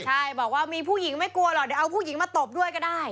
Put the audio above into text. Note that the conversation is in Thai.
ใช่บอกว่ามีผู้หญิงไม่กลัวหรอกเดี๋ยวเอาผู้หญิงมาตบด้วยก็ได้